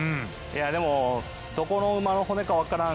でもどこの馬の骨か分からん